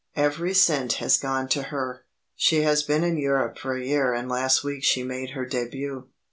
Every cent has gone to her. She has been in Europe for a year and last week she made her debut.